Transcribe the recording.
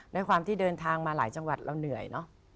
ด้วยความที่เดินทางมาหลายจังหวัดเราเหนื่อยเนอะ